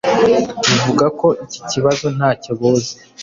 buvuga ko iki kibazo ntacyo buzi,